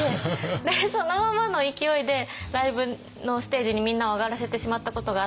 でそのままの勢いでライブのステージにみんなを上がらせてしまったことがあって。